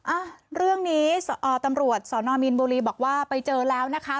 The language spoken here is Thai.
อ่ะเรื่องนี้เอ่อตำรวจสอนอมีนบุรีบอกว่าไปเจอแล้วนะคะ